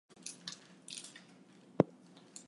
"The Dead Pool" received mixed reviews.